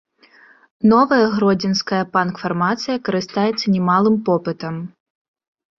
Новая гродзенская панк-фармацыя карыстаецца немалым попытам.